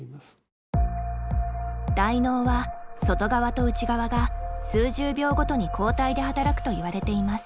大脳は外側と内側が数十秒ごとに交代で働くといわれています。